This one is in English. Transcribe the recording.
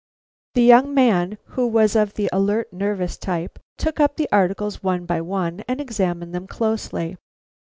The young man, who was of the alert, nervous type, took up the articles one by one and examined them closely.